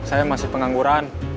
saya masih pengangguran